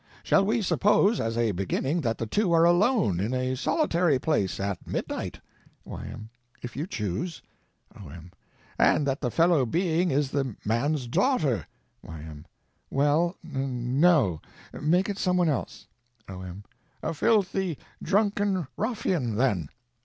Shall we suppose, as a beginning, that the two are alone, in a solitary place, at midnight? Y.M. If you choose. O.M. And that the fellow being is the man's daughter? Y.M. Well, n no—make it someone else. O.M. A filthy, drunken ruffian, then?